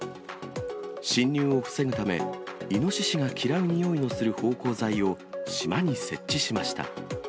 侵入を防ぐため、イノシシが嫌うにおいのする芳香剤を島に設置しました。